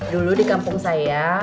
dulu di kampung saya